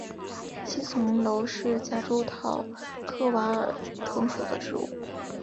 七层楼是夹竹桃科娃儿藤属的植物。